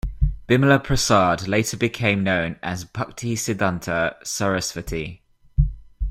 Bimala Prasad later became known as Bhaktisiddhanta Sarasvati.